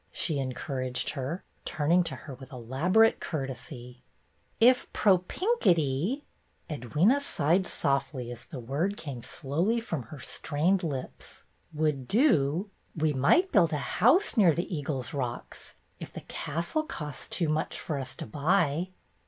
she encouraged her, turning to her with elaborate courtesy. "If pro pink itty" — Edwyna sighed softly as the word came slowly from her strained lips — "would do, we might build a house 24 BETTY BAIRD'S GOLDEN YEAR near the eagles' rocks, if the castle costs too much for us to buy."